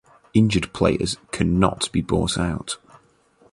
Injured players cannot be bought out.